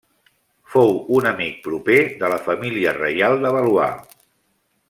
Fou un amic proper de la família reial de Valois.